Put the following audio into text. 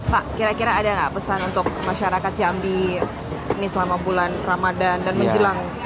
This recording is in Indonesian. pak kira kira ada nggak pesan untuk masyarakat jambi ini selama bulan ramadan dan menjelang